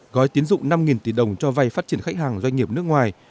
gói tiến dụng năm tỷ đồng cho vay phát triển khách hàng doanh nghiệp nước ngoài